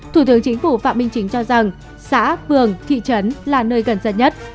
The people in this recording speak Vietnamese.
thủ tướng chính phủ phạm minh chính cho rằng xã phường thị trấn là nơi gần dân nhất